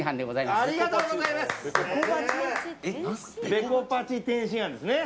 ベコバチ天津飯ですね。